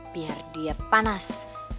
biar dia panas